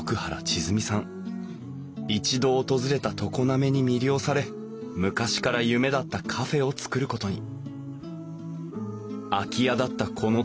一度訪れた常滑に魅了され昔から夢だったカフェを作ることに。